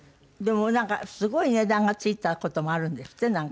でもなんかすごい値段が付いた事もあるんですって？